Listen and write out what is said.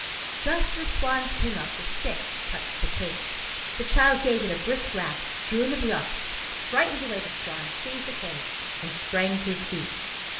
Just as the swans came up, the stick touched the cake. The child gave it a brisk rap, drew in the brioche, frightened away the swans, seized the cake, and sprang to his feet.